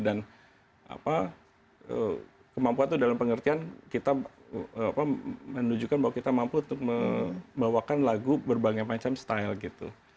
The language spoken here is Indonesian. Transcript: dan apa kemampuan itu dalam pengertian kita menunjukkan bahwa kita mampu untuk membawakan lagu berbagai macam style gitu